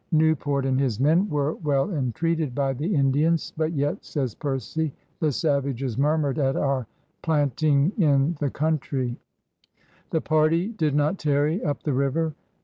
Newport and his men were " well entreated " by the Indians. But yet," says Percy, '"the Savages murmured at our plant ing in the Countrie.'* The party did not tarry up the river.